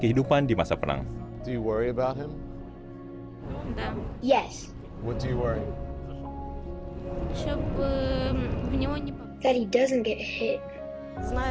semua orang berharap perang segera berakhir